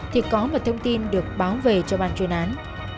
thì có một thông tin được báo về cho ban chuyên án